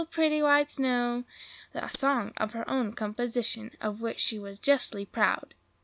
Pretty white snow!" A song of her own composition, of which she was justly proud.